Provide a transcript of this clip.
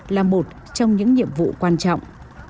là một trong những nhiệm vụ quan trọng